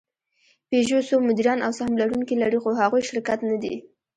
پيژو څو مدیران او سهم لرونکي لري؛ خو هغوی شرکت نهدي.